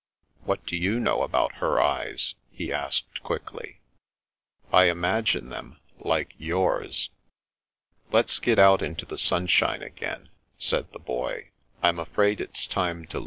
" What do you know about her eyes? " he asked quickly. " I imagine them like yours." " Let's get out into the sunshine again," said the fioy.